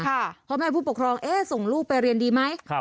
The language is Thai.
เพราะแม้ผู้ปกครองส่งลูกไปเรียนดีไหม